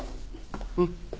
うん。